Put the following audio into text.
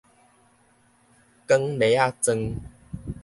捲螺仔旋